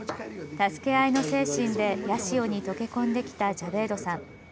助け合いの精神で八潮に溶け込んできたジャベイドさん。